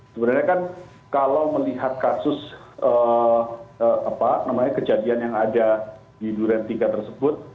sebenarnya kan kalau melihat kasus kejadian yang ada di durian tiga tersebut